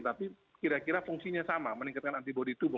tapi kira kira fungsinya sama meningkatkan antibody tubuh